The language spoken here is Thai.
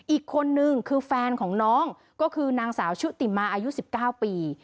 อีกคนนึงคือแฟนของน้องก็คือนางสาวชุติมาอายุ๑๙ปี